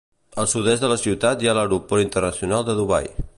Al sud-est de la ciutat hi ha l'Aeroport Internacional de Dubai.